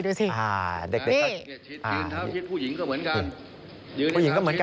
ยืนเท้าชิดผู้หญิงก็เหมือนกัน